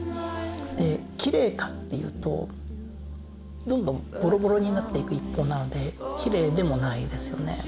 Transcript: できれいかっていうとどんどんぼろぼろになっていく一方なのできれいでもないですよね。